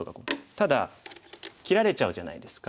ただ切られちゃうじゃないですか。